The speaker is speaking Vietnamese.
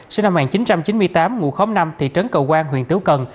sinh năm một nghìn chín trăm chín mươi tám ngụ khóm năm thị trấn cầu quan huyện tiếu cần